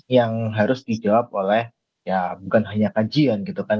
yang harus dijawab oleh ya bukan hanya kajian gitu kan